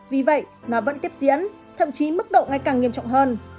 vì vậy nó vẫn tiếp diễn thậm chí mức độ ngày càng nghiêm trọng hơn